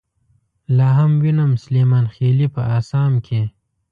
لاهم وينم سليمانخيلې په اسام کې